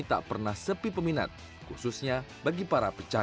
jangan lupa like share dan subscribe ya